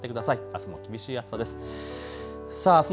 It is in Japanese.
あすも厳しい暑さです。